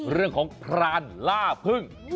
เรื่องของพรานล่าพึ่ง